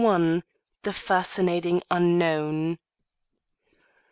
THE FASCINATING UNKNOWN.